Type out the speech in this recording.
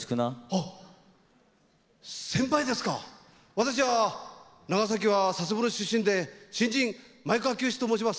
私は長崎は佐世保の出身で新人前川清と申します。